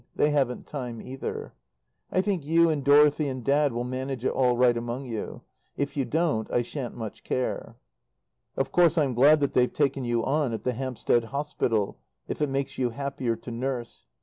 They haven't time, either. I think you and Dorothy and Dad will manage it all right among you. If you don't I shan't much care. Of course I'm glad that they've taken you on at the Hampstead Hospital, if it makes you happier to nurse.